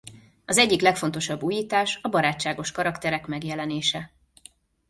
Az egyik legfontosabb újítás a barátságos karakterek megjelenése.